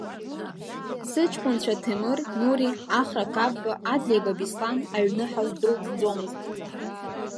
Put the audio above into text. Сыҷкәынцәа Темур, Нури, Ахра Қапба, Адлеиба Беслан аҩны ҳаздәылҵӡомызт.